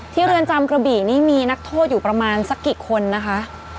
เรือนจำกระบี่นี่มีนักโทษอยู่ประมาณสักกี่คนนะคะ